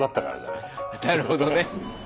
なるほどね。